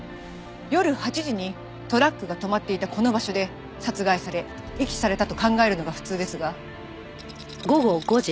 夜８時にトラックが止まっていたこの場所で殺害され遺棄されたと考えるのが普通ですが。